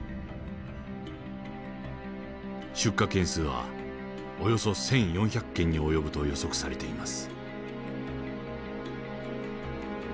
出火件数はおよそ１，４００件に及ぶと予測されています。